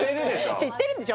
知ってるんでしょ